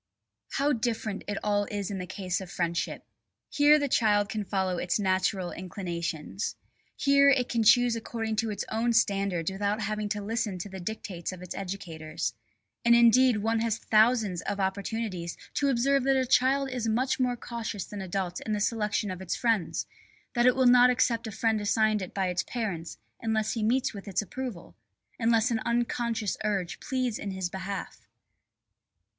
How different it all is in the case of friendship. Here the child can follow its natural inclinations. Here it can choose according to its own standards without having to listen to the dictates of its educators. And indeed one has thousands of opportunities to observe that a child is much more cautious than adults in the selection of its friends, that it will not accept a friend assigned it by its parents unless he meets with its approval, unless an unconscious urge pleads in his behalf.